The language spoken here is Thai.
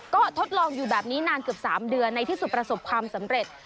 ก็ทดลองอยู่แบบนี้นานเกือบ๓เดือนในที่สุดประสบความสำเร็จ